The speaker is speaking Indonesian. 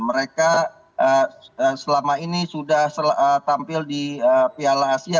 mereka selama ini sudah tampil di piala asia